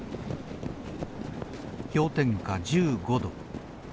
氷点下１５度。